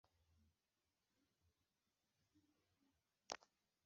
Rwanda mu ngingo ya mbere ryavuguruwe rigena Inshingano n Imiterere